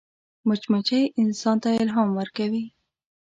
مچمچۍ انسان ته الهام ورکوي